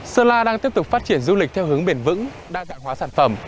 sơn la đang tiếp tục phát triển du lịch theo hướng bền vững đa dạng hóa sản phẩm